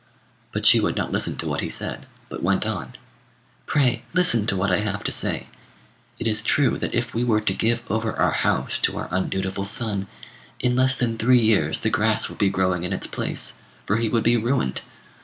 But she would not listen to what he said, but went on "Pray listen to what I have to say. It is true that if we were to give over our house to our undutiful son, in less than three years the grass would be growing in its place, for he would be ruined.